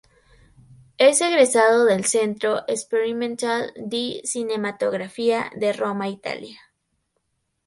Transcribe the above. Es egresado del "Centro Sperimentale Di Cinematografía" de Roma, Italia.